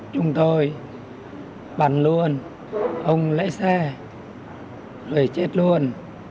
chúng tôi bắn luôn ông lấy xe rồi chết luôn